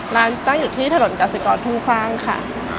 ร้านตั้งอยู่ที่ถนนกาสิกรทุ่งคว่างค่ะ